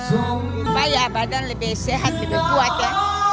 supaya badan lebih sehat lebih kuat ya